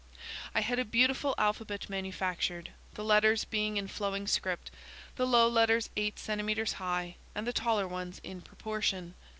I had a beautiful alphabet manufactured, the letters being in flowing script, the low letters 8 centimetres high, and the taller ones in proportion.